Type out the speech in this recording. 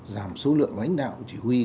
giảm số lượng lãnh đạo chỉ huy